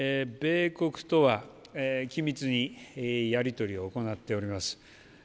米国とは緊密にやり取りを行っております。